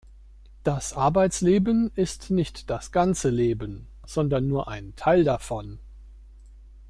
Das Arbeitsleben ist nicht das ganze Leben, sondern nur ein Teil davon.